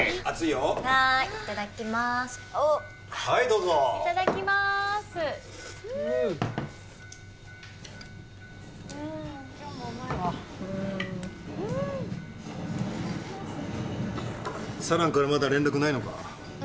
四朗からまだ連絡ないのか？